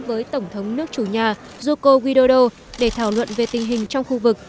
với tổng thống nước chủ nhà yoko widodo để thảo luận về tình hình trong khu vực